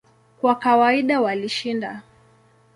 Kwa kawaida walishinda.